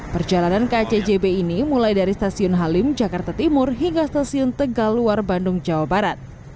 perjalanan ke acjb ini mulai dari stasiun halim jakarta timur hingga stasiun tegal luar bandung jawa barat